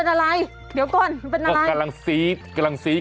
ถึงเมื่อก่อนซีลองไห้